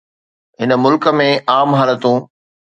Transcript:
هن ملڪ ۾ عام حالتون.